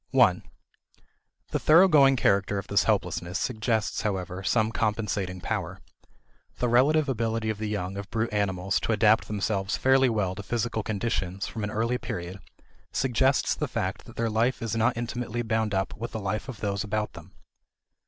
1. The thoroughgoing character of this helplessness suggests, however, some compensating power. The relative ability of the young of brute animals to adapt themselves fairly well to physical conditions from an early period suggests the fact that their life is not intimately bound up with the life of those about them.